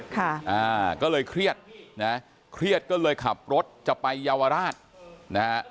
ค่ะอ่าก็เลยเครียดนะเครียดก็เลยขับรถจะไปเยาวราชนะฮะ